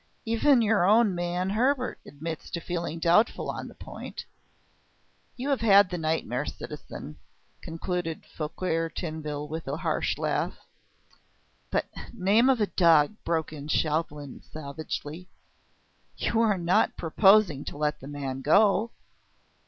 Even your own man Hebert admits to feeling doubtful on the point. You have had the nightmare, citizen," concluded Fouquier Tinville with a harsh laugh. "But, name of a dog!" broke in Chauvelin savagely. "You are not proposing to let the man go?"